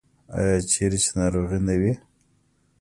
آیا چیرې چې ناروغي نه وي؟